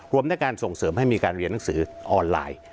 ด้วยการส่งเสริมให้มีการเรียนหนังสือออนไลน์